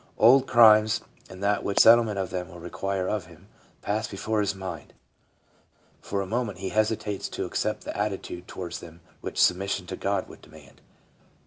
Old crimes, and that which the settlement of them will require of him, pass before his mind ; for a moment he hesitates to accept the atti tude towards them which submission to God would demand.